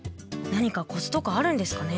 何かコツとかあるんですかね。